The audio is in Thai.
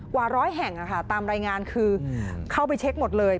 กว่าร้อยแห่งตามรายงานคือเข้าไปเช็คหมดเลย